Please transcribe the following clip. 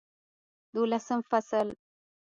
دولسم فصل